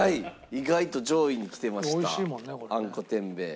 意外と上位にきてましたあんこ天米。